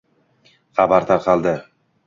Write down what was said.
xabar tarqaldi.